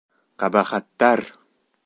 Ҡәбәхәттәр!